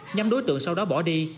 nhăm đối tượng sau đó bỏ đi